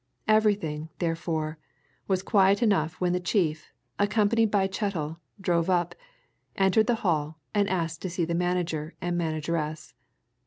Everything, therefore, was quiet enough when the chief, accompanied by Chettle, drove up, entered the hall, and asked to see the manager and manageress.